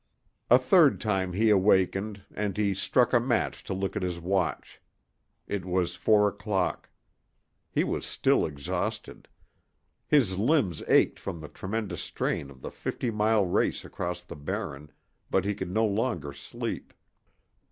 A third time he awakened, and he struck a match to look at his watch. It was four o'clock. He was still exhausted. His limbs ached from the tremendous strain of the fifty mile race across the Barren, but he could no longer sleep.